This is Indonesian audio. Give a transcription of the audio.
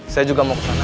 saya juga mau ke sana